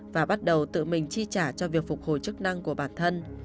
và bắt đầu tự mình chi trả cho việc phục hồi chức năng của bản thân